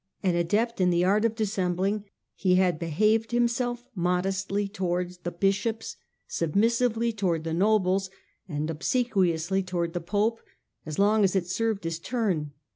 An adept in the art of dissembling, he had behaved himself modestly towards the bishops, submissively towards the nobles, and obsequiously towards the pope as long as it served his turn.